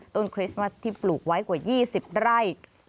คริสต์มัสที่ปลูกไว้กว่า๒๐ไร่